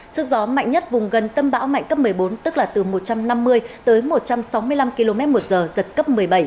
sức gió mạnh nhất vùng gần tâm bão mạnh cấp một mươi bốn tức là từ một trăm năm mươi tới một trăm sáu mươi năm km một giờ giật cấp một mươi bảy